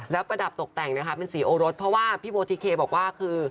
แล้วประดับตกแต่งนะคะเป็นสีโอรสเพราะว่าพี่โบทิเคบอกว่าคือ